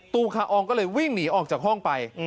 ตูคาอองก็เลยวิ่งหนีออกจากห้องไป